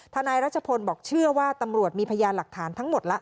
นายรัชพลบอกเชื่อว่าตำรวจมีพยานหลักฐานทั้งหมดแล้ว